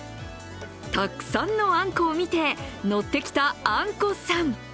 たくさんのあんこを見て、ノッてきたあんこさん。